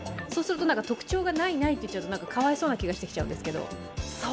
そうすると特徴がない、ないといっちゃうとかわいそうな気がしてきちゃうんですけど。